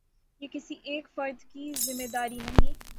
یہ کسی ایک فرد کی ذمہ داری نہیں۔